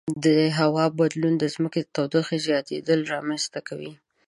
د هوا بدلون د ځمکې د تودوخې زیاتیدل رامنځته کوي.